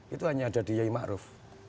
itu hanya ada di yai maruf